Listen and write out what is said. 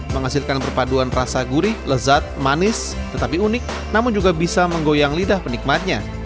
menghasilkan perpaduan rasa gurih lezat manis tetapi unik namun juga bisa menggoyang lidah penikmatnya